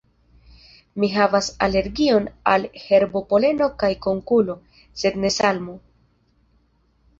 Mi havas alergion al herbopoleno kaj konkulo, sed ne salmo.